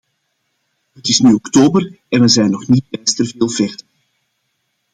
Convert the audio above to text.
Het is nu oktober en we zijn nog niet bijster veel verder.